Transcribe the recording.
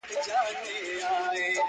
پلار یې خړي سترګي کښته واچولې!.